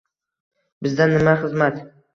Bizdan nima xizmat